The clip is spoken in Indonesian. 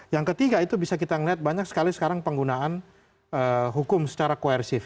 yang ketiga itu bisa kita melihat banyak sekali sekarang penggunaan hukum secara koersif